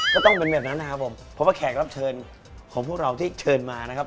ก็ต้องเป็นแบบนั้นนะครับผมเพราะว่าแขกรับเชิญของพวกเราที่เชิญมานะครับ